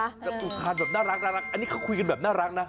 แบบอุทานแบบน่ารักอันนี้เขาคุยกันแบบน่ารักนะ